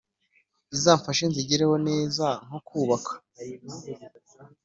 Izamfashe nzigereho neza nko kubaka